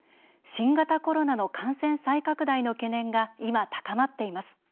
新型コロナの感染再拡大の懸念が今、高まっています。